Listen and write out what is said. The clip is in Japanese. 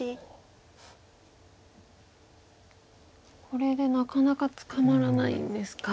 これでなかなか捕まらないんですか。